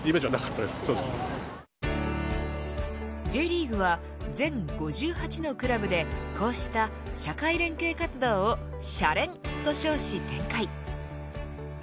Ｊリーグは全５８のクラブでこうした社会連携活動をシャレン！と称し展開。